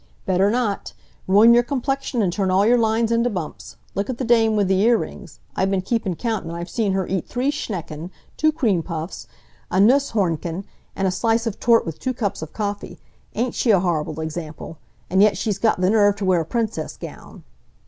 "Better not. Ruin your complexion and turn all your lines into bumps. Look at the dame with the earrings. I've been keepin' count an' I've seen her eat three Schnecken, two cream puffs, a Nusshornchen and a slice of Torte with two cups of coffee. Ain't she a horrible example! And yet she's got th' nerve t' wear a princess gown!"